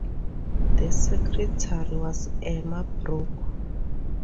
The secretary was Emma Brooke.